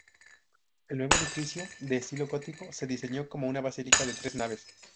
El nuevo edificio, de estilo gótico, se diseñó como una basílica de tres naves.